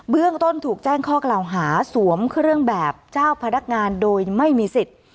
เรื่องต้นถูกแจ้งข้อกล่าวหาสวมเครื่องแบบเจ้าพนักงานโดยไม่มีสิทธิ์